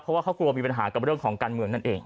เพราะว่าเขากลัวมีปัญหากับเรื่องของการเมืองนั่นเอง